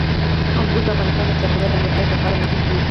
انګور د افغانستان د چاپیریال د مدیریت لپاره مهم دي.